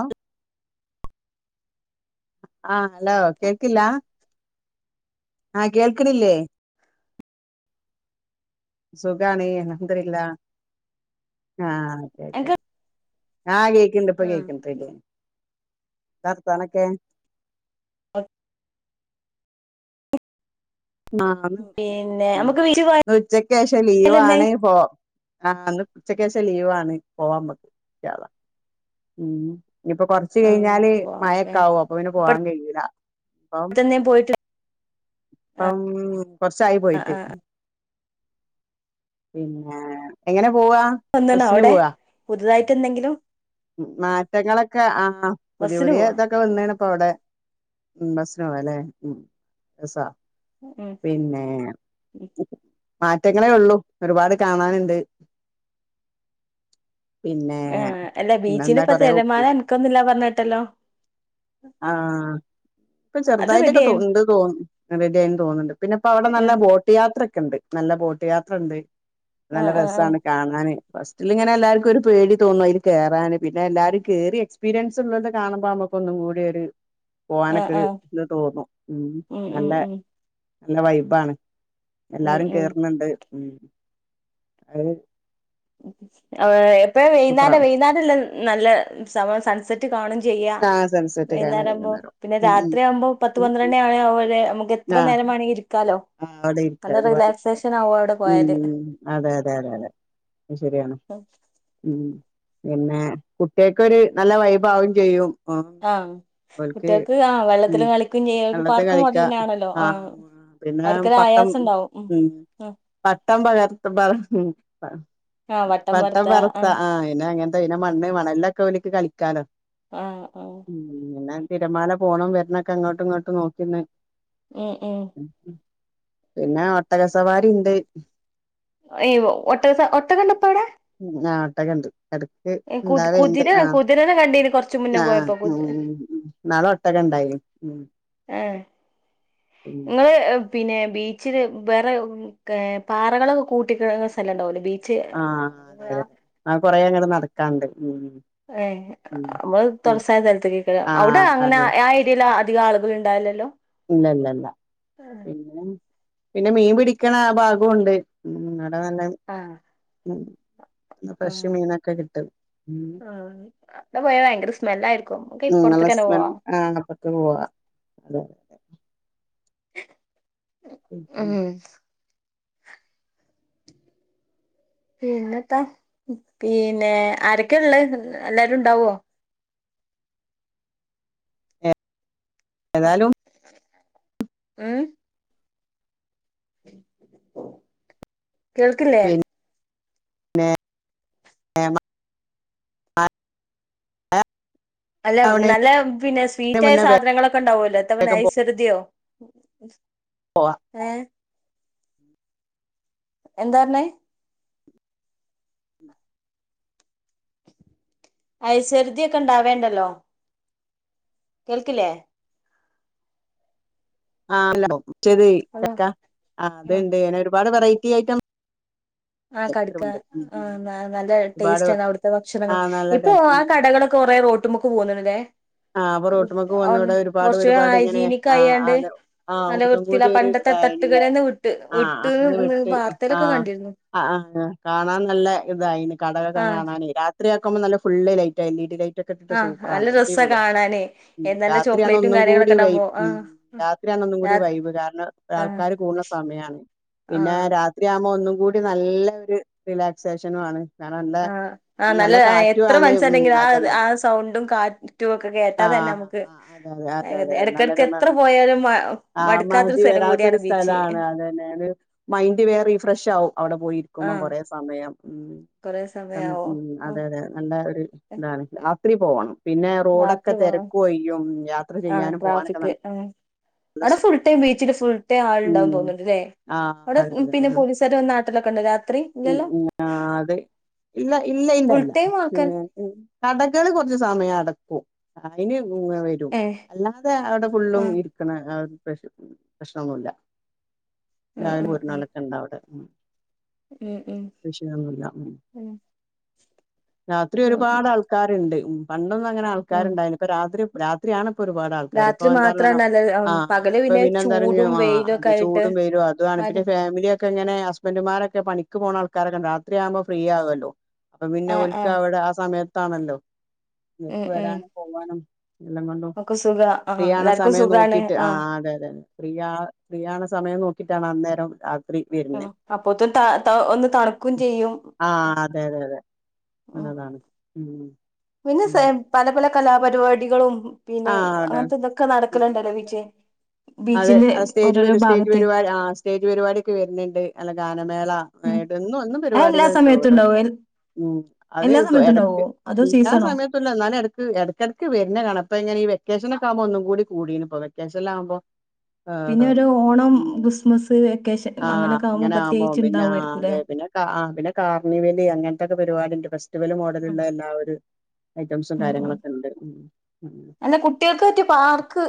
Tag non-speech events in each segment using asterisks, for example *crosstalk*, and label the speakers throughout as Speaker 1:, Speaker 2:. Speaker 1: O ആ hello കേക്കില്ല ആ കേൾക്ക്ണില്ലേ സുഖാണ് അൽഹംദുരില്ലാ ആ
Speaker 2: എൻക്ക്
Speaker 1: ആ കേക്ക്ണ്ട് ഇപ്പ കേക്ക്ണ്ട് ത്താ വർത്താനൊക്കെ
Speaker 2: അഹ്
Speaker 1: ആ
Speaker 2: പിന്നെ നമുക്ക് വീട്ടിൽ
Speaker 1: ഇന്ന് ഉച്ചക്കെഷം
Speaker 2: പോയാലെന്തേ
Speaker 1: ലീവാണ് പോ ആ ഇന്ന് ഉച്ചക്കെശം ലീവാണ് പോവാമ്മക്ക് ഇൻശാഅള്ളാ ഉം ഇഞ്ഞിപ്പോ കൊർച്ച്
Speaker 2: ആഹ്
Speaker 1: കഴിഞ്ഞാല്
Speaker 2: ഓക്കെ
Speaker 1: മഴക്കാവും അപ്പൊ പിന്നെ പോവാൻ കയ്യൂല ഇപ്പം
Speaker 2: ഇപ്പടുത്തന്നെ പോയിട്ട്
Speaker 1: പ്പം കൊർച്ചായി
Speaker 2: ആഹ്
Speaker 1: പോയിട്ട്
Speaker 2: ആഹ്
Speaker 1: പിന്നെ എങ്ങനെ പോവാ
Speaker 2: വന്ന്ണോ
Speaker 1: ബസ്സിന്
Speaker 2: അവ്ടെ പുതുതായിട്ട് എന്തെങ്കിലും
Speaker 1: മാറ്റങ്ങളക്കെ ആ പുതിയ
Speaker 2: ബസ്സിന്
Speaker 1: പുതിയേ
Speaker 2: പോവാ
Speaker 1: തൊ ഒക്ക വന്ന്ണ്പ്പ അവ്ടെ ഉം ബസ്സ്ന് പോവലെ ഉം സാ
Speaker 2: ഉം
Speaker 1: പിന്നെ മാറ്റങ്ങളേ ഒള്ളു ഒരുപാട് കാണാന്ണ്ട് പിന്നെ
Speaker 2: ആഹ് അല്ല ബീച്ചില്
Speaker 1: പിന്നെന്താ
Speaker 2: ഇപ്പ
Speaker 1: കൊറേ ഒപ്പ്
Speaker 2: തെരമാല അൻക്കൊന്നുല്ല പർഞ്ഞെട്ടല്ലോ
Speaker 1: ആ ഇപ്പ
Speaker 2: അത് റെഡി
Speaker 1: ചെർതായിട്ടക്കെ തൊ
Speaker 2: ആയി
Speaker 1: ഇണ്ട് തൊ റെഡിയായിൻ തോന്ന് ണ്ട് പിന്നെ ഇപ്പ അവടെ നല്ല
Speaker 2: ആഹ്
Speaker 1: ബോ ട്ട് യാത്ര ഒക്ക ഇണ്ട് നല്ല ബോട്ട് യാത്ര ഇണ്ട് നല്ല
Speaker 2: ആഹ് ആഹ്
Speaker 1: രസാണ് കാണാന് ഫസ്സ്ല് ഇങ്ങനെ എല്ലാര്ക്കു ഒരു പേടി തോന്നു അയില് കെറാന് പിന്നെ എല്ലാരും കേറി എക്സ്പീരിയൻസ് ഉള്ളോൽത് കാണുമ്പ നമ്മക്കോന്നും കൂടി ത്ഒരു
Speaker 2: ആഹ്
Speaker 1: പോകാനൊക്കെ ഒരു
Speaker 2: ആഹ്
Speaker 1: ഇത് തോന്നു ഉം
Speaker 2: ഉം
Speaker 1: നല്ല
Speaker 2: ഉം
Speaker 1: നല്ല വൈബാണ്
Speaker 2: ഉം
Speaker 1: എല്ലാരും
Speaker 2: ഉം
Speaker 1: കേറുന്നുണ്ട് ഉം അത്
Speaker 2: എപ്പഴ
Speaker 1: സൂപ്പറാ
Speaker 2: വൈനേരം വൈനാരല്ല നല്ല സമ സൺസെ റ്റ് കാണും ചെയ്യാം
Speaker 1: ആഹ് സൺസെറ്റ് കാണാൻ
Speaker 2: വൈന്നെര ആമ്പോ
Speaker 1: വൈകുന്നേരം
Speaker 2: പിന്നെ
Speaker 1: ഉം
Speaker 2: രാത്രി ആവുമ്പോ പത്ത്
Speaker 1: ഉം
Speaker 2: പന്ത്രണ്ട്ണ്ണി ആണ് അവരെ നമുക്ക് എത്ര
Speaker 1: ആഹ്
Speaker 2: നേരം വെണെങ്കി ഇരിക്കാലോ
Speaker 1: ആഹ് അവിടെ ഇരിക്ക
Speaker 2: നല്ല
Speaker 1: ഒരുപാട്
Speaker 2: റിലാക്സേഷൻ ആവു അവിടെ പോയാല്
Speaker 1: ഉം അതെ അതെ അതെ അതെ അത് ശരിയാണ്
Speaker 2: *unintelligible*
Speaker 1: ഉം പിന്നെ കുട്ടികക്കൊരു നല്ല വൈബാക്കേം ചെയ്യും
Speaker 2: ആഹ്
Speaker 1: ഓൽക്ക്
Speaker 2: കുട്ടികൾക്ക് ആഹ്
Speaker 1: ഉം
Speaker 2: വെള്ളത്തില് കളിക്കും ചെയ്യക്ക്
Speaker 1: വെള്ളത്തി
Speaker 2: പാർക്ക് മോഡല്
Speaker 1: കളിക്കാ
Speaker 2: തന്നെ ആണല്ലോ ആഹ്
Speaker 1: പിന്നെ
Speaker 2: അവർക്കൊരു
Speaker 1: പട്ടം
Speaker 2: ആയാസം ഉണ്ടാവും
Speaker 1: ഉം പട്ടം പകർത്തുമ്പാ ഉം അതാണ് *unintelligible*
Speaker 2: ആ വട്ടം
Speaker 1: പട്ടം
Speaker 2: വരത്ത ആ
Speaker 1: പറത്ത ആഹ് അയിന് അങ്ങനത്തെ ഇനെ മണ്ണ് വേണ എൽല്ലൊക്കെ ഓല്ക്ക് കളിക്കാലോ
Speaker 2: ആഹ് ആഹ്
Speaker 1: ഉം പിന്നെ തിരമാല പോണം വരണൊക്കെ അങ്ങോട്ടും ഇങ്ങോട്ട് നോക്കിന്ന്
Speaker 2: ഉം ഉം
Speaker 1: പിന്നെ ഒട്ടകസവാരി ഇണ്ട്
Speaker 2: അയ്യോ ഒട്ടകസ ഒട്ടകണ്ടപ്പോ അവിടെ
Speaker 1: ഉം ആഹ് ഒട്ടക്കെണ്ട് എടാ ക്ക്‌
Speaker 2: കു
Speaker 1: ഇണ്ടാവാലിണ്ട്
Speaker 2: കുതിര
Speaker 1: ആഹ്
Speaker 2: കുതിരനെ കണ്ടീന് കൊറച്ച് മുന്നേ
Speaker 1: ആഹ്
Speaker 2: പോയപ്പോ കുതി
Speaker 1: ഉം ഇനാളെ ഒട്ടക ഉണ്ടായിന്നു ഉം
Speaker 2: ആഹ്
Speaker 1: പിന്നെ
Speaker 2: നിങ്ങള് പിന്നെ ബീച്ചില് വേറെ ഒക്കെ പാറകളൊക് കൂട്ടിക് സ്ഥലം ഉണ്ടാവല്ലേ ബീച്ച്
Speaker 1: ആഹ് അതെ അതെ ആഹ് കൊറെ അങ്ങടെ നടക്കാണ്ട് ഉം ഉം
Speaker 2: ഏയ് നമ്മള്
Speaker 1: പിൻ
Speaker 2: തുറസായ സ്ഥലത്തേക്കെക്ക്‌യാ അവിടെ
Speaker 1: ആഹ്
Speaker 2: അങ്ങനെ
Speaker 1: അതെ
Speaker 2: ആ ഏരിയൽ അധികം ആളുകൾ ഉണ്ടാവില്ലല്ലോ
Speaker 1: ഇല്ലല്ലല്ല
Speaker 2: ആഹ്
Speaker 1: പിന്നെ പിന്നെ മീൻ പിടിക്കണ ആ ഭാഗം ഉണ്ട് അടെ നല്ലത്
Speaker 2: ആഹ്
Speaker 1: ഉം പിന്നെ ഫ്രഷ് മീനൊക്കെ കിട്ടും ഉം
Speaker 2: ആഹ് അടെ പോയ ഭയങ്കര സ്മെല്ലായിരിക്കും നമുക്ക്
Speaker 1: നിങ്ങള്
Speaker 2: ഇപ്പുറത്തേക്കന്നെ പോവാ
Speaker 1: ഹസ്ബൻഡ് ആണ് അപ്പത് പോവാ അതെ
Speaker 2: ഉം പിന്നെന്താ പിന്നെ ആരൊക്കെയ ഉള്ളെ എല്ലാരും ഉണ്ടാവോ
Speaker 1: ഏതാലും
Speaker 2: ഉം കേൾക്കില്ലേ
Speaker 1: പിന്നെ *inaudible*
Speaker 2: അല്ല
Speaker 1: ആവണേന്
Speaker 2: നല്ല പിന്നെ സ്വീറ്റ് ആയ
Speaker 1: മുന്നേ
Speaker 2: സാധനങ്ങളൊക്കെ ഉണ്ടാവുല്ലോ എത്തപ
Speaker 1: വേഗം
Speaker 2: നൈസ് ചെറുതിയോ
Speaker 1: പോവാ
Speaker 2: ഏഹ് എന്താ പറഞ്ഞേ ഐസരുതി ഒക്കെ ഉണ്ടാവേണ്ടല്ലോ കേൾക്കില്ലേ
Speaker 1: ആഹ് എലണ്ടോ മറ്റേത്
Speaker 2: ഹലോ
Speaker 1: ചക്ക ആ അത്ണ്ട് അങ്ങനെ ഒരുപാട് വെറൈറ്റി ഐറ്റം
Speaker 2: *inaudible* ആ കട്ക്ക
Speaker 1: ഉണ്ട്
Speaker 2: ആ നാ നല്ല
Speaker 1: ഒരുപാട്
Speaker 2: ടേസ്റ്റ് ആണ് അവിടുത്തെ ഭക്ഷണങ്ങള്
Speaker 1: ആഹ് നല്ല
Speaker 2: ഇപ്പൊ
Speaker 1: ടേസ്റ്റ്
Speaker 2: ആ
Speaker 1: ഉം
Speaker 2: കടകളൊ കൊറെറോട്ടുമൊക്ക് പോകുന്നുണ്ട്ല്ലേ
Speaker 1: ആഹ് അപ്പൊ റോട്ടുമക്ക്
Speaker 2: ആഹ്
Speaker 1: പോന്നവിടെ ഒരുപാട്
Speaker 2: കൊറച്ച്
Speaker 1: ഒരുപാട് ഇങ്ങനെ
Speaker 2: ഹൈജീനിക്ക്
Speaker 1: ആഹ്
Speaker 2: അയ്യാണ്ട്
Speaker 1: അതെ ആഹ്
Speaker 2: നല്ല
Speaker 1: ഒന്നും
Speaker 2: വൃത്തില്ല
Speaker 1: കൂടി ഒരു
Speaker 2: പണ്ടത്തെ *unintelligible*
Speaker 1: ഇതായിന്
Speaker 2: തട്ടുകരന്ന വിട്ട്
Speaker 1: ആഹ് അന്ന്
Speaker 2: വിട്ട്ന്ന്
Speaker 1: വിട്ട്
Speaker 2: വാർത്തയിലൊക്കെ കണ്ടിരുന്നു
Speaker 1: ആഹ് ആഹ് ആഹ് കാണാൻ നല്ല ഇതായിനു കടകൊക്കെ
Speaker 2: ആഹ്
Speaker 1: കാണാന് രാത്രിയാക്കുമ്പോ നല്ല ഫുള്ള് ലൈറ്റായി എല്ലിടി ലൈറ്റ് ഒക്കെയിട്ടിട്ട് സൂപ്പറാണ് അടിപൊളിയാ
Speaker 2: അതാണെ
Speaker 1: ഉം രാത്രിയാണൊന്നുംകൂടി വൈബ് രാത്രിയാണൊന്നുംകൂടി
Speaker 2: രാത്
Speaker 1: വൈബ് കാരണം
Speaker 2: ആഹ്
Speaker 1: ആൾക്കാര് കൂടുന്ന സമയാണ്
Speaker 2: ആഹ്
Speaker 1: രാത്രിയാകുമ്പോ ഒന്നും കൂടി നല്ല ഒരു റിലാക്സേഷനും ആണ് കാരണം നല്ല
Speaker 2: ആഹ് ആഹ് നല്ല
Speaker 1: കാറ്റു
Speaker 2: എത്ര
Speaker 1: ആണ് ഉം
Speaker 2: *unintelligible* ആ
Speaker 1: അതന്നെ
Speaker 2: ആ സൗണ്ടും കാറ്റ് റ്റും ഒക്കെ കേട്ടാ തന്നെ
Speaker 1: ആഹ്
Speaker 2: നമുക്ക്
Speaker 1: ആഹ് അതെ അതെ അതെ
Speaker 2: ഏകദെ
Speaker 1: അതെ
Speaker 2: ഇടയ്ക്കിടക്ക്
Speaker 1: നല്ലൊരു
Speaker 2: എത്ര
Speaker 1: മം
Speaker 2: പോയാലും മ
Speaker 1: ആഹ്
Speaker 2: മടുക്കാത്തൊരു
Speaker 1: മതി
Speaker 2: സ്ഥലം
Speaker 1: വരാത്ത
Speaker 2: കൂടിയാണ്
Speaker 1: ഒരു
Speaker 2: ബീച്ച്
Speaker 1: സ്ഥലാണ് അത് തന്നെല് മൈന്ഡ് വേറെ റീഫ്രഷ് ആകും അവിടെ പോയിരിക്കുമ്പം
Speaker 2: ആഹ്
Speaker 1: കൊറേ സ സമയം
Speaker 2: കൊറെ
Speaker 1: ഉം
Speaker 2: സമയാവോ
Speaker 1: ഉം അതെ അതെ നല്ല ഒരു എന്താണ് രാത്രി പോകണം പിന്നെ റോഡൊക്കെ ഒക്കെ
Speaker 2: രാത്രി പോണം
Speaker 1: തിരക്കുഒഴിയും യാത്ര
Speaker 2: ആഹ്
Speaker 1: ചെയ്യാനും പോകാനൊക്കെ
Speaker 2: ട്രാഫിക്
Speaker 1: നല്ല
Speaker 2: ആഹ് അവിടെ ഫുൾ ടൈം ബീച്ചില് ഫുൾ ടൈം ആളുണ്ടാവും
Speaker 1: ഉം
Speaker 2: തോന്നണുണ്ട് ല്ലേ
Speaker 1: ആഹ്
Speaker 2: അവിടെ
Speaker 1: അതെ
Speaker 2: ഉം
Speaker 1: അതെ
Speaker 2: പിന്നെ
Speaker 1: അതെ
Speaker 2: പോലീസുകാര് വന്നാട്ടലൊക്കെണ്ടോ രാത്രി
Speaker 1: ഉം
Speaker 2: ഇല്ലല്ലോ
Speaker 1: ആഹ് അതെ ഇല്ല ഇല്ല
Speaker 2: ഫുൾ
Speaker 1: ഇല്ലല്ല
Speaker 2: ടൈം ആൾക്കാർ
Speaker 1: പിന്നെ കടകള് കുറച്ച സമയം അടക്കും അതിന് ഇങ്ങവരും
Speaker 2: ഏ
Speaker 1: അല്ലാതെ അവിടെ
Speaker 2: ആ
Speaker 1: ഫുള്ളും ഇരിക്കണ പ്രശ്ന പ്രശ്നൊന്നുല്ല
Speaker 2: ആ
Speaker 1: രാവിലെ
Speaker 2: ആ
Speaker 1: പോയിട്ട്
Speaker 2: ആ
Speaker 1: ഒരു *unintelligible* ഉണ്ടവടെ
Speaker 2: ഉം ഉം
Speaker 1: വിഷയൊന്നുല്ല
Speaker 2: ഉം
Speaker 1: രാത്രി
Speaker 2: ആ
Speaker 1: ഒരുപാട് ആൾ ക്കാരുണ്ട് പണ്ടൊന്നും അങ്ങനെ
Speaker 2: ഉം
Speaker 1: ആൾക്കാരുണ്ടായിന്നില്ല ഇപ്പ രാത്രി രാ ത്രിയാണിപ്പോ ഒരുപാട് ആൾക്കാര് ഇപ്പൊ
Speaker 2: രാത്രി
Speaker 1: എന്താ പറ
Speaker 2: മാത്രാണ് അല്ല
Speaker 1: ആഹ്
Speaker 2: പകല്
Speaker 1: ഇപ്പൊ പിന്നെ എന്താ പറ
Speaker 2: ചൂടും
Speaker 1: ആഹ്
Speaker 2: വെയിലും ഒക്കെ
Speaker 1: അത്
Speaker 2: ആയിട്ട്
Speaker 1: ചൂടും വെയിലുവാണു അതാണ് പിന്നെ
Speaker 2: ആര്
Speaker 1: ഫാമിലിയൊക്കെ ഇങ്ങനെ ഹസ്ബൻഡുമാരൊക്കെ പണിക്ക് പോകണ ആൾക്കാരൊക്കെ രാത്രിയാവുമ്പോൾ ഫ്രീ ആകുവല്ലോ അപ്പൊ പിന്നെ ഓല്ക്കവിടെ ആ സമയത്താണല്ലോ
Speaker 2: ഉം
Speaker 1: ഓൽക്ക്
Speaker 2: ഉം
Speaker 1: വരാനും പോവാനും എല്ലാം കൊണ്ടും
Speaker 2: ഒക്കെ സുഖ ആ
Speaker 1: ഫ്രീ ആകണ
Speaker 2: എല്ലാർക്കും
Speaker 1: സമയം
Speaker 2: സുഖാണ്
Speaker 1: നോക്കിട്ട്
Speaker 2: ആ
Speaker 1: ആഹ് അതെ അതെ ഫ്രീ ആ ഫ്രീ ആകണ സമയം നോക്കിട്ടാണ് അന്നേരം *unintelligible*
Speaker 2: ഉം അപ്പൊത്ത ത ഒന്ന് തണുക്കും ചെയ്യും
Speaker 1: ആഹ് അതെ അതെ അതെ
Speaker 2: ഉം
Speaker 1: നല്ലതാണ് ഉം
Speaker 2: പിന്നെ സെ
Speaker 1: ഉം
Speaker 2: പല പല കലാപരിപാടികളും
Speaker 1: ആ
Speaker 2: പിന്നെ
Speaker 1: അതെ
Speaker 2: അങ്ങനത്തെ ഇതൊക്കെ
Speaker 1: ഉം
Speaker 2: നടക്കലുണ്ടല്ലോ
Speaker 1: അതെ
Speaker 2: *unintelligible*
Speaker 1: അതെ
Speaker 2: ബീച്ചിന്റെ
Speaker 1: അത് സ്റ്റേജ്
Speaker 2: ഓരോരോ
Speaker 1: പരിപ് സ്റ്റേജ്
Speaker 2: ഭാഗത്ത്
Speaker 1: പരിപാടി ആഹ് സ്റ്റേജ് പരിപാടിക്കെ വെരുന്ന്ണ്ട് അല്ല ഗാനമേള
Speaker 2: ഉം
Speaker 1: *unintelligible* എന്നും
Speaker 2: അത് എല്ലാ
Speaker 1: പരിപാടികൾണ്ട്
Speaker 2: സമയത്തും
Speaker 1: ഓരോ
Speaker 2: ഉണ്ടാവോ
Speaker 1: ഉം അത്
Speaker 2: എല്ലാ സമയത്തും ഉണ്ടാവോ?
Speaker 1: ഇടക്ക് പ്
Speaker 2: അതോ
Speaker 1: എല്ലാ
Speaker 2: സീസണോ?
Speaker 1: സമയത്തല്ല എന്നാലും എടക്ക് എടക്കെടക്ക് വരുന്ന കാണ ഇപ്പ ഇങ്ങനെ ഈ വെക്കേഷനക്കാകുമ്പോ ഒന്നും കൂടി കൂടി ഇപ്പോ വെക്കേഷനിലാകുമ്പോ
Speaker 2: പിന്നെ
Speaker 1: ആണോ
Speaker 2: ഒരു ഓണം,
Speaker 1: ഉം
Speaker 2: ക്രിസ്മസ്, വെക്കേഷൻ
Speaker 1: ആഹ്
Speaker 2: അങ്ങനൊക്കെ ആവുമ്പോ
Speaker 1: അങ്ങനാവുമ്പോ
Speaker 2: പ്രത്യേകിച്ച്
Speaker 1: പിന്നെ
Speaker 2: ഉണ്ടാവുമായിരിക്കുംല്ലേ?
Speaker 1: ആതെ പിന്നെ ആഹ് ആഹ് പിന്നെ കാർണിവല് അങ്ങനത്തെക്കെ പരിപാടിണ്ട് ഫെസ് സ്റ്റിവല്
Speaker 2: ഉം
Speaker 1: മോഡലുള്ള എല്ലാ ഒരു ഐറ്റംസും
Speaker 2: ഉം ഉം
Speaker 1: കാര്യങ്ങളൊക്കെ ണ്ട്
Speaker 2: അല്ല കുട്ടികൾക്ക് പറ്റിയ പാർക്ക്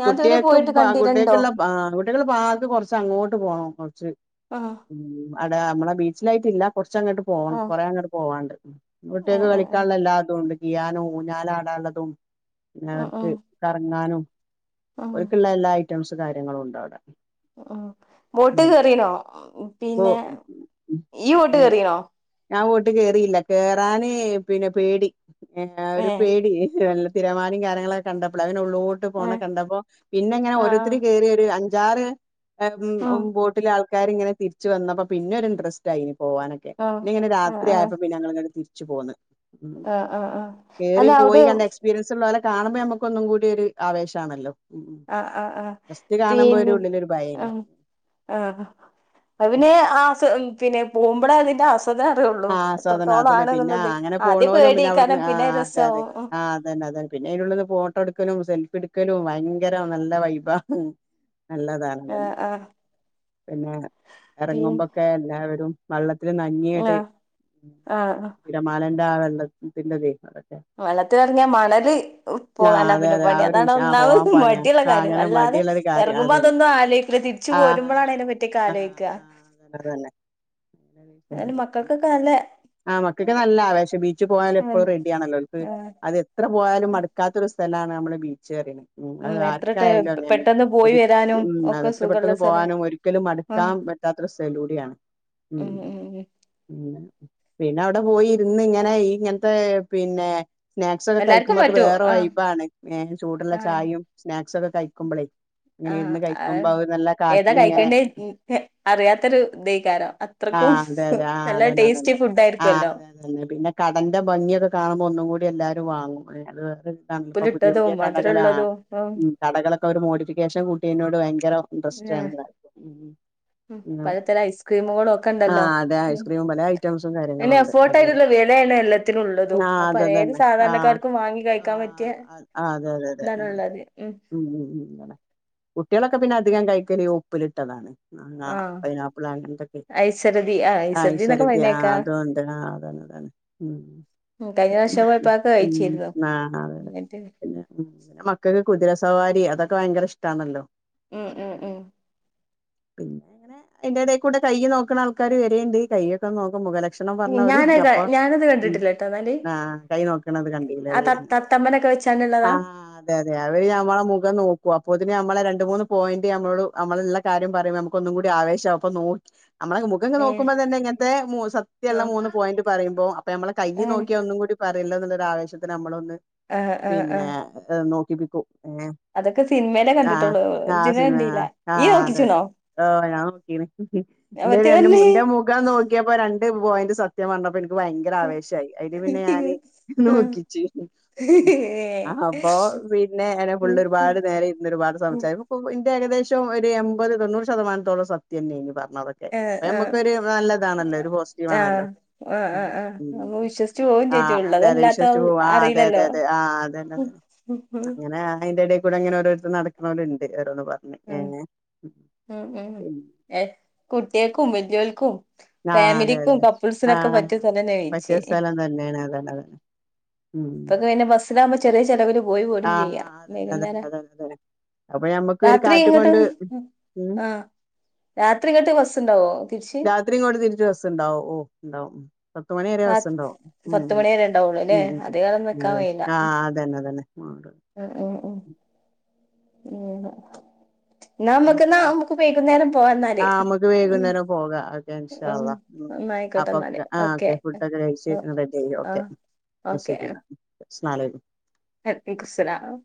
Speaker 2: ഞാൻതുവരെ പോയിട്ട് കണ്ടിരുണ്ടോ
Speaker 1: ആഹാ കുട്ടികളെ പാർക്ക് കൊറച്ച് അങ്ങോട്ട് പോണം കൊറച്ച്
Speaker 2: ആഹ്
Speaker 1: ഉം അവടെ നമ്മടെ ബീച്ചിലായിട്ടില്ല കൊറച്ചങ്ങോട്ട് പോണം
Speaker 2: ആഹ്
Speaker 1: കൊറേ അങ്ങട്ട് പോവാണ്ട്
Speaker 2: ആഹ്
Speaker 1: കുട്ടികൾക്ക്
Speaker 2: ആഹ്
Speaker 1: കളിക്കാനുള്ള എല്ലാ തും ഉണ്ട് ഗിയാനും ഊഞ്ഞാലാടാള്ളതും
Speaker 2: ആഹ്
Speaker 1: ങ്ങൾക് കറങ്ങാനും.
Speaker 2: ആഹ് ആഹ്
Speaker 1: ഓൽക്കുള്ള എല്ലാ ഐറ്റംസും കാര്യങ്ങളും ഉണ്ട് അവിടെ.
Speaker 2: ഉം വോട്ട്
Speaker 1: ഉം
Speaker 2: കേറീണോ. ഉം
Speaker 1: ഇപ്പൊ
Speaker 2: പിന്നെ ഇയ്യ് വോട്ട് കേറീണോ?
Speaker 1: ഞാ വോട്ട് കേറീല്ല. കേറാന് പിന്നെ പേടി. ഏഹ് ഒരു പേടി. ഹ് വെള്ള തിരമാലിം കാര്യങ്ങളൊക്കെ കണ്ടപ്പോളെ. അഹ് ഉള്ളൊട്ട് പോണ
Speaker 2: ഏഹ്
Speaker 1: കണ്ടപ്പോ പിന്നെ ങ്ങനെ
Speaker 2: ആഹ്
Speaker 1: ഓരോരുത്തര് കയറി ഒരു അൻ ജാറ് ഹേ
Speaker 2: ആഹ്
Speaker 1: ഉം ബോട്ടില ആൾക്കാര് ഇങ്ങനെ തിരിച്ചു വന്നപ്പോ പിന്നെ ഒരു ഇൻട്രസ്റ്റ് ആയി ന് പോകാനൊക്കെ. ക്കെ.
Speaker 2: ആഹ്
Speaker 1: പിന്നെ ഇങ്ങനെ
Speaker 2: ആഹ്
Speaker 1: രാത്രിയപ്പോ പിന്നെ ഞങ്ങള് ങ്ങട്ടെ തിരിച്ചു പോന്ന്. ഉം.
Speaker 2: ആഹ് ആഹ് ആഹ് ആഹ്
Speaker 1: കേറി
Speaker 2: അല്ല
Speaker 1: പോയി
Speaker 2: അവിടെ
Speaker 1: കണ്ട എക്സ് പീരിൻസ്ള്ളൊലെ കാണുമ്പോ നമോക്കൊന്നും കൂടി ഒരു ആവേഷാണല്ലോ
Speaker 2: ആഹ് ആഹ് ആഹ്
Speaker 1: ഫസ്റ്റ് കാണുമ്പോ
Speaker 2: പിൻ
Speaker 1: ഒരു ഉള്ളില് ഒരു ഭയെനി.
Speaker 2: ആഹ് ആഹ് അത് പിന്നെ ആഹ് സൊ പിന്നെ പോകുമ്പോളാ അയിന്റെ അവസ്ഥ ത അറിയുള്ളൂ.
Speaker 1: ആസ്വാദനം
Speaker 2: എത്രത്തോളം
Speaker 1: അതന്നെ
Speaker 2: ആണ്
Speaker 1: പിന്നെ
Speaker 2: ന്നുള്ളത്.
Speaker 1: അങ്ങനെ
Speaker 2: ആദ്യ
Speaker 1: പോണോലും പിന്നെ അവിടുന്ന്
Speaker 2: പേടിയാക്കാരം.
Speaker 1: ആ
Speaker 2: പിന്നെ
Speaker 1: അതെ അതെ
Speaker 2: രസവും.
Speaker 1: ആ അതന്നെ അതന്നെ പിന്നെ അയിന്റ് ള്ളിന്ന് ഫോട്ടോ എടുക്കലും സെൽഫി ടുക്കലും ഭയങ്കര നല്ല വൈബ. നല്ലത. അതന്നെ.
Speaker 2: ആഹ് ആഹ്
Speaker 1: പിന്നെ
Speaker 2: പി
Speaker 1: എറങ്ങുമ്പൊക്കെ എല്ലാവരും. വള്ളത്തിൽ നഞ്ഞിങ്ങട്ട്.
Speaker 2: ആഹ് ആഹ്
Speaker 1: തിരമാലന്റെ ആ വെള്ളത്തിന്റെ തെ
Speaker 2: വെള്ളത്തിലിറങ്ങിയാ മണല്
Speaker 1: ആ
Speaker 2: പോകാനാ
Speaker 1: അതെ
Speaker 2: പിന്നെ
Speaker 1: അതെ ആ
Speaker 2: പണി.
Speaker 1: ഒരു
Speaker 2: അതാണ്
Speaker 1: വിഷ ആ പോവാൻ
Speaker 2: ഒന്നാമത്
Speaker 1: പണിയാ
Speaker 2: മടിയുള്ള
Speaker 1: ആ
Speaker 2: കാര്യം.
Speaker 1: അങ്ങനെ
Speaker 2: അല്ലാതെ.
Speaker 1: മടിയുള്ളൊരു കാര്യം
Speaker 2: എറങ്ങുമ്പോ
Speaker 1: അതന്നെ
Speaker 2: അതൊന്നും ആലോയ്ക്കൂല. തിരിച്ചു പോരുമ്പോഴാ അതിനെ പറ്റിയൊക്കെ ആലോയിക്ക.
Speaker 1: വാട്ന്നന്നെ. അങ്ങനെ
Speaker 2: മക്കൾക്കൊക്കെ നല്ല
Speaker 1: ആഹ് മക്കക് നല്ല ആവേശം ബീച്ച്
Speaker 2: ഉം
Speaker 1: പ്പഴും റെഡിയാണല്ലോൽക്ക്.
Speaker 2: ആഹ്
Speaker 1: അത് എത്ര പോയാലും മടുക്കാത്തൊരു സ്ഥലാണ്. നമ്മള് ബീച്ച് ന്ന് പറി ഉം, അത്
Speaker 2: എത്ര ടെ
Speaker 1: ആർക്കായാലും അങ്ങനെ.
Speaker 2: പെട്ടെന്ന് പോയി
Speaker 1: ഒരി
Speaker 2: വരാനും
Speaker 1: ക്യും അത്
Speaker 2: ഒക്കെ
Speaker 1: അത്ര
Speaker 2: സുഖമുള്ള
Speaker 1: പെട്ടന്ന്
Speaker 2: സ്ഥലാ
Speaker 1: പോകാനും ഒരിക്കലും മടുക്കാൻ
Speaker 2: ആഹ്
Speaker 1: പ റ്റാതൊരു സലൂടി ആണ്.
Speaker 2: ഉം ഉം
Speaker 1: ഉം, പിന്നെ അവിടെ പോയി ഇരുന്ന് ഇങ്ങനെ ഈ ഇങ്ങൻത്തെ പിന്നെ. സ്നാക്സൊക്കെ
Speaker 2: എല്ലാർക്കും
Speaker 1: കഴിക്കുമ്പോ അത്
Speaker 2: പറ്റും
Speaker 1: വേറെ
Speaker 2: ആഹ്
Speaker 1: വൈബാണ്. ഏഹ് ചൂടുള്ള
Speaker 2: ആഹ്
Speaker 1: ചായിം. സ്നാക്സ് ക്കെ കഴിക്കുമ്പോളേ ങ്ങനെ
Speaker 2: ആഹ്
Speaker 1: ഇരുന്ന്
Speaker 2: ആഹ്
Speaker 1: കഴിക്കുമ്പോ. നല്ല
Speaker 2: ഏതാ
Speaker 1: കാറ്റിലിങ്ങനെ
Speaker 2: കഴിക്കേണ്ടേ ഉം ഹേ അറിയാത്തൊരു ഇതേകാരം. അത്രക്കും.
Speaker 1: ആഹ് അതെ
Speaker 2: നല്ല ടേസ്റ്റി ഫുഡായിരിക്കോല്ലോ.
Speaker 1: അയിന് പിന്നെ കടന്റെ ഭംഗിയൊക്കെ കാണുമ്പോ ഒന്നും കൂടി എല്ലാരും വാങ്ങും. അത് വേറെ പ്പ പുതിയ
Speaker 2: ഉപ്പിലിട്ടതും
Speaker 1: പുതിയ കടകള്, ആഹ്
Speaker 2: മധുരള്ളതും
Speaker 1: ഉം കടകളൊക്കെ ഒരു മോഡിഫിക്കേഷൻ കൂട്യേ നോണ്ട് ഭയങ്കരം ഇന്ട്രെസ്റ്റാ
Speaker 2: ഉം
Speaker 1: ണല്ലോ.
Speaker 2: പലതരം ഐസ്ക്രീമുകളും ഒക്കെ ഉണ്ടല്ലോ
Speaker 1: ആഹ് അത്. ഐസ്ക്രീമും പലെ ഐറ്റംസും
Speaker 2: പിന്നെ
Speaker 1: കാര്യങ്ങളുണ്ട്.
Speaker 2: എഫോർട്ട്
Speaker 1: അതെ തെ.
Speaker 2: ആയിട്ടുള്ള വിലയാണ് എല്ലാത്തിനും ഉള്ളതും
Speaker 1: ആഹ്
Speaker 2: അപ്പൊ
Speaker 1: അതെ
Speaker 2: ഏത്
Speaker 1: തന്നെ. ആഹ്,
Speaker 2: സാധാരണക്കാർക്കും വാങ്ങി കഴിക്കാൻ പറ്റിയ
Speaker 1: ആഹ് അതെ തെ തെ ഉം ഉം ഉം ഉം അതെ. കുട്ടികളൊക്കെ പിന്നെ അധികം കൈക്കല് ഉപ്പിലിട്ടതാണ്. മാങ്ങ,
Speaker 2: ആഹ്
Speaker 1: പൈനാപ്പള്, അങ്ങൻത്തെ ക്കെ.
Speaker 2: ഐസർദി ആഹ് ഐസർദി എന്നൊക്കെ
Speaker 1: ഐസോരതി ആഹ്
Speaker 2: പറയണേക്കാ
Speaker 1: അതൊണ്ട് ആഹ് അതാണ് അതാണ്.
Speaker 2: ഉം, കഴിഞ്ഞ പ്രാശ്യം പോയപ്പോ അതൊക്കെ കഴിച്ചിരുന്നു.
Speaker 1: ആ അതെ അതെ
Speaker 2: ഞട്ട്
Speaker 1: പിന്നെ ഉം മക്കൾക്ക് കുതിരസവാരി അതൊക്കെ ഭയങ്കര ഇഷ്ട്ടാണല്ലോ.
Speaker 2: ആഹ് ആഹ്
Speaker 1: പിന്നെ അയ്ന്റെ ടെ കൂടെ കയ്യ് നോക്കണ ആൾ ക്കാര് വരേണ്ട്. കയൊക്കെ നോക്കും. മുഖല ലക്ഷണം പറഞ്ഞവര്
Speaker 2: ഞാനത്
Speaker 1: അപ്പം
Speaker 2: ഞാനത് കണ്ടിട്ടില്ല ട്ടോ എന്നാല്
Speaker 1: ആഹ് കൈ നോക്കണത് കണ്ടീല
Speaker 2: ആ
Speaker 1: ലെ.
Speaker 2: ത തത്തമ്മനൊക്കെ വെച്ചാണ്ട് ള്ളെ താ.
Speaker 1: അതെ, തെ അവര് ഞമ്മളെ മുഖം നോക്കു. അപ്പൊ തിന് നമ്മളെ രണ്ട് മൂന്ന് പോയിന്റ് നമ്മോ നമ്മള് ള്ളെ കാര്യം പറയുമ്പോ നമുക്ക് ഒന്നും കൂടി ആവേഷാവും. അപ്പൊ നോക്കി നമ അതക്കെ നോക്കുമ്പോൾ തന്നെ ങ്ങൻത്തെ മ സത്യുള്ള മൂന്ന് പോയിന്റ് പറയുമ്പോൾ അപ്പൊ നമ്മളെ കയ്യ്
Speaker 2: ഉം
Speaker 1: നോക്കിയ ഒന്നും കൂടി. പറയല്ലേന്ന്ള്ള ആവേശത്തിന നമ്മളൊന്ന്
Speaker 2: ആഹ് ആഹ്
Speaker 1: പിന്നെ
Speaker 2: ആഹ്
Speaker 1: ഹ് നോക്കിപ്പിക്കും ഏഹ്
Speaker 2: അതൊക്കെ സിനിമേലെ
Speaker 1: ആഹ്
Speaker 2: കണ്ടിട്ടുള്ളൂ
Speaker 1: ആഹ്
Speaker 2: ഒറിജിനൽ
Speaker 1: സിനിമ
Speaker 2: കണ്ടീല്ല
Speaker 1: ആഹ്
Speaker 2: ഇയ്യ്
Speaker 1: ആഹ് അതെ അതെ
Speaker 2: നോക്കിച്ച്ണോ
Speaker 1: ഓഹ് ഞാൻ നോക്കീന്. *unintelligible* ഇന്റെ
Speaker 2: മറ്റേ
Speaker 1: രണ്ട്
Speaker 2: വല്ലേ
Speaker 1: ഇന്റെ മുഖാ നോക്കിയപ്പോ രണ്ട് പോയിന്റ് സത്യ വന്നപ്പം ഇൻ വയങ്കര ആവേശായി അയില് പിന്നെ ഞാന് നോക്കിച്ച്. ഉം ആഹപ്പൊ പി പിന്നെ *unintelligible* ഫുള്ള് ഒരുപാട് നേരെ ഇരുന്ന് ഒരുപാട് സംസാരം ഇന്റെ ഏകദേശം ഒരു എമ്പത്, തൊണ്ണൂറ് ശതമാനത്തോളം സ ത്യന്നേനി പർഞ്ഞതൊക്കെ അപ്പ
Speaker 2: ആഹ് ആഹ് ആഹ്
Speaker 1: നമ്മക്കൊരു നല്ലതാണല്ലോ ഒരു പോസറ്റീവാണല്ലോ
Speaker 2: ആഹ് ആഹ്
Speaker 1: *unintelligible*
Speaker 2: ആഹ്
Speaker 1: ഉം
Speaker 2: നമ്മ വിശ്വസിച്ച് പോവും
Speaker 1: ആ
Speaker 2: ചെജ്ജും
Speaker 1: അതെ അതെ
Speaker 2: ഉള്ളതല്ലാത്ത
Speaker 1: വിശ്വസിച്ചു പോ ആ അതെ അതെ
Speaker 2: അറിയില്ലല്ലോ
Speaker 1: അതെ ആ അതന്നെ
Speaker 2: ഉം
Speaker 1: അതന്നെ. അങ്ങനെ അതിന്റെ എടേ കൂടെങ്ങനെ ഓരോരുത്തർ നടക്ക്ണോൽ ഇണ്ട് ഓരോന്ന് പർ
Speaker 2: ഏഹ്
Speaker 1: പിന്നെ
Speaker 2: *unintelligible* ഏഹ് കുട്ട്യേക്കും വല്യോൽക്കും
Speaker 1: ആഹ് അതെ
Speaker 2: ഫാമിലിക്കും
Speaker 1: അതെ
Speaker 2: കപ്പിൾസിനൊക്കെ
Speaker 1: ആഹ്
Speaker 2: പറ്റിയ സ്ഥലന്നെ
Speaker 1: പറ്റിയ
Speaker 2: ബീച്ച്
Speaker 1: സ്ഥലം തന്നെയാണ് അതാണ് അതാണ് ഉം
Speaker 2: ഇപ്പൊക്കെ പിന്നെ ബസ്സിലാകുമ്പോ ചെറിയ ചെലവില് പോയി പോലും
Speaker 1: ആഹ്
Speaker 2: ചെയ്യാം
Speaker 1: അതന്നെ
Speaker 2: വൈകുന്നേരം.
Speaker 1: *unintelligible* ഞമ്മക്ക് ഒരു
Speaker 2: രാത്രി
Speaker 1: കാറ്റും
Speaker 2: ഇങ്ങട്ട്
Speaker 1: കൊണ്ട്
Speaker 2: ഉം
Speaker 1: ഉം
Speaker 2: ആ രാത്രി ഇങ്ങട്ട് ബസ്സ്ണ്ടാവോ തിരിച്ച്?
Speaker 1: രാത്രി ഇങ്ങോട്ട് തിരിച്ച് ബസ്സുണ്ടാവും ഓഹ് ഇണ്ടാവും ഉം പത്തുമണി വരെ ബസ്സ്ണ്ടാവും ഉം
Speaker 2: പത്ത് മണി വരെ ഉണ്ടാവുള്ളൂ അല്ലേ
Speaker 1: ഉം ഉം ഉം
Speaker 2: അധികകാലം നിക്കാൻ
Speaker 1: ഉം ആ ആ അതന്നെ അതന്നെ മാട്
Speaker 2: ആഹ് ഉം ഉം
Speaker 1: *inaudible*
Speaker 2: *unintelligible* എന്നാ നമ്മുക്ക് എന്നാ
Speaker 1: *unintelligible*
Speaker 2: നമുക്ക് വൈകുന്നേരം പോവാ എന്നാല്
Speaker 1: ആ നമ്മക്ക്
Speaker 2: ഉം
Speaker 1: വൈകുന്നേരം പോകാം ഓക്കെ ഇൻഷാ അള്ളാ. ഉം
Speaker 2: എന്നായിക്കോട്ടെ
Speaker 1: അപ്പൊ
Speaker 2: എന്നാല്
Speaker 1: ആ ഓക്കെ ഫുഡൊക്കെ കഴിച്ച് റെഡി ആയി ഓക്കെ
Speaker 2: ആഹ്
Speaker 1: ശരി എന്നാ. അസ്സലാ അലൈക്കും
Speaker 2: *unintelligible* സലാം